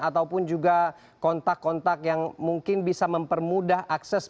ataupun juga kontak kontak yang mungkin bisa mempermudah akses